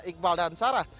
iqbal dan sarah